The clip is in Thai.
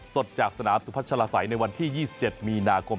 สดจากสนามสุพัชลาศัยในวันที่๒๗มีนาคม